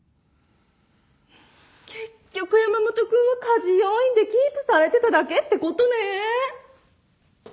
結局山本君は家事要員でキープされてただけってことね。